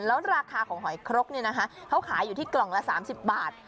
แล้วราคาของหอยครกเนี่ยนะคะเขาขายอยู่ที่กล่องละสามสิบบาท